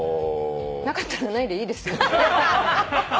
なかったらないでいいですよ？